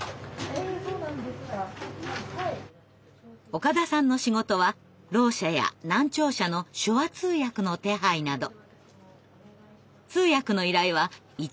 岡田さんの仕事はろう者や難聴者の手話通訳の手配など。